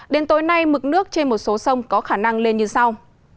đến tối nay mực nước trên một số sông có khả năng lên như sau